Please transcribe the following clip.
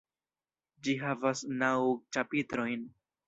Ĝi havas naŭ ĉapitrojn.